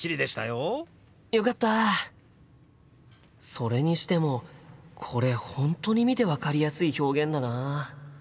それにしてもこれ本当に見て分かりやすい表現だな。